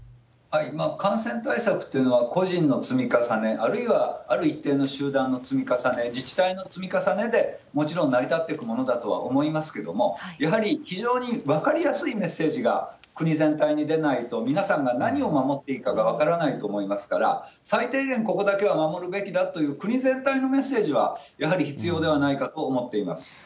感染対策っていうのは個人の積み重ね、あるいは、ある一定の集団の積み重ね、自治体の積み重ねで、もちろん成り立っていくものだとは思いますけれども、やはり、非常に分かりやすいメッセージが国全体に出ないと、皆さんが何を守っていいかが分からないと思いますから、最低限ここだけは守るべきだという、国全体のメッセージが、やはり必要ではないかと思っています。